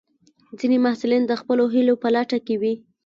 ځینې محصلین د خپلو هیلو په لټه وي.